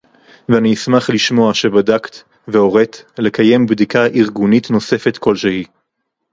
ואני אשמח לשמוע שבדקת והורית לקיים בדיקה ארגונית נוספת כלשהי